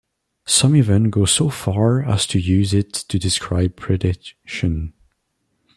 Some even go so far as to use it to describe predation.